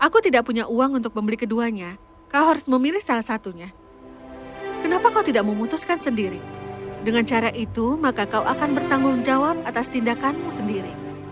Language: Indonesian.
aku tidak punya uang untuk membeli keduanya kau harus memilih salah satunya kenapa kau tidak memutuskan sendiri dengan cara itu maka kau akan bertanggung jawab atas tindakanmu sendiri